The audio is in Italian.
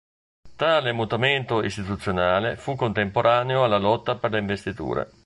Tale mutamento istituzionale fu contemporaneo alla lotta per le investiture.